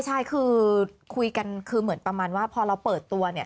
ใช่คือคุยกันคือเหมือนประมาณว่าพอเราเปิดตัวเนี่ย